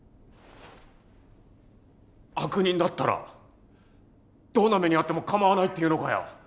悪人だったらどんな目に遭っても構わないって言うのかよ！